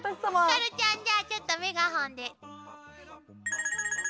ひかるちゃんじゃあちょっとメガホンで。